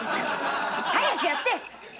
早くやって。